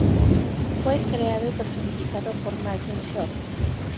Fue creado y personificado por Martin Short.